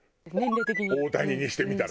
大谷にしてみたらさ。